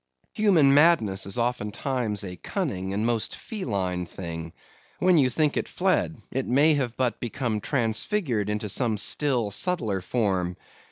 Human madness is oftentimes a cunning and most feline thing. When you think it fled, it may have but become transfigured into some still subtler form.